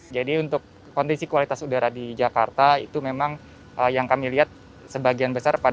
jadi untuk kondisi kualitas udara di jakarta itu memang yang kami lihat sebagian besar